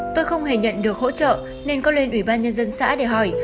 tôi không hề nhận được hỗ trợ nên có lên ủy ban nhân dân xã để hỏi